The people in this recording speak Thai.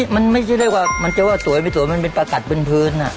มันไม่ได้ว่าสวยไม่สวยมันเป็นประกัดบนพื้นอ่ะ